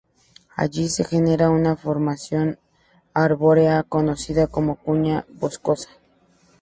Allí se genera una formación arbórea conocida como cuña boscosa.